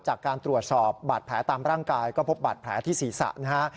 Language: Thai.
จากการตรวจสอบบาดแผลตามร่างกายก็พบบาดแผลที่ศีรษะนะฮะ